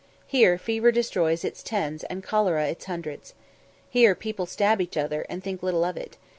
Here fever destroys its tens, and cholera its hundreds. Here people stab each other, and think little of it.